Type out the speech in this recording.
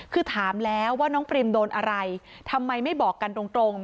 คือถามแล้วว่าน้องปริมโดนอะไรทำไมไม่บอกกันตรง